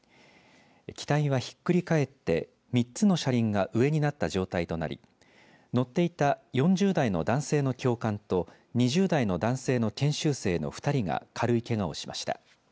機体はひっくり返って３つの車輪が上になった状態となり乗っていた４０代の男性の教官と２０代の男性の研修生の２人が軽いけがをしました。